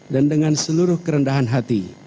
dan dengan seluruh kerendahan hati